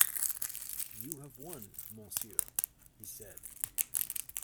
"You have won, monsieur," he said.